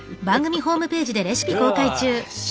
よし。